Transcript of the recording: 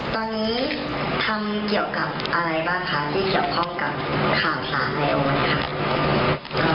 ตอนนี้ทำเกี่ยวกับอะไรบ้างคะที่เกี่ยวข้องกับข่าวสารในวันนี้ค่ะ